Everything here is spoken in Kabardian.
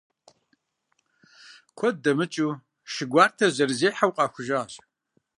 Куэд дэмыкӀыу, шы гуартэр зэрызехьэу къахужащ.